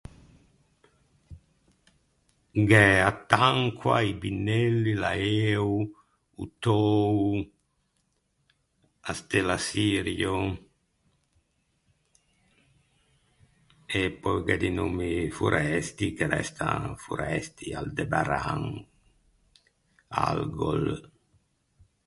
Gh’é a tancoa, i binelli, l’aeo, o töo, a stella Sirio, e pöi gh’é di nommi foresti che restan foresti: Aldebaran, Algol.